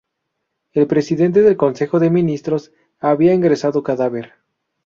El presidente del Consejo de Ministros había ingresado cadáver.